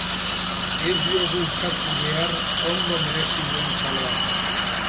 Ez diogu ukatu behar ondo merezi duen txaloa.